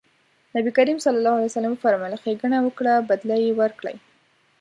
نبي کريم ص وفرمایل ښېګڼه وکړه بدله يې ورکړئ.